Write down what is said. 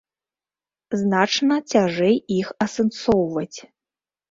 Значна цяжэй іх асэнсоўваць.